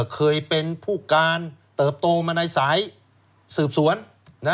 เคยเป็นผู้การเติบโตมาในสายสืบสวน